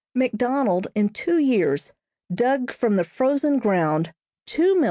McDonald, in two years, dug from the frozen ground $2,207,893.